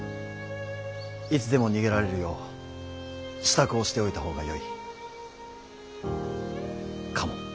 いつでも逃げられるよう支度をしておいた方がよいかも。